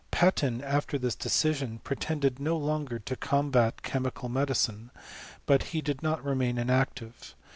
Patin after this decision pretended m( longer to combat chemical medicine; but he did no^ remain inactive.